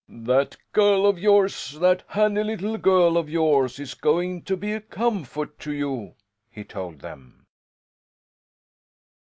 "That girl of yours, that handy little girl of yours is going to be a comfort to you," he told them.